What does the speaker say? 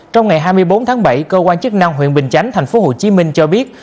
trong ngày hai mươi bốn tháng bảy cơ quan chức năng huyện bình chánh thành phố hồ chí minh cho biết